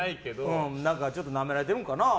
ちょっとなめられてるんかな。